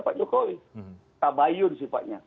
pak jokowi tabayun sifatnya